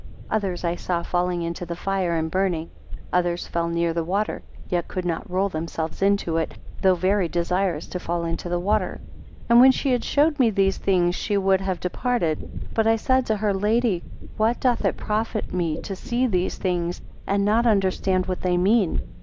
32 Others I saw falling into the fire and burning; others fell near the water, yet could not roll themselves into it, though very desirous to fall into the water. 33 And when she had showed me these things she would have departed; but I said to her, Lady, what doth it profit me to see these things, and not understand what they mean?